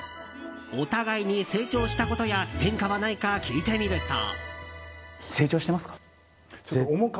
お互いに成長したことや変化はないか聞いてみると。